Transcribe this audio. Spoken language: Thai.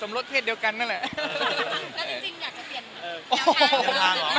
สำรสเพจเดียวกันหน้าแหละ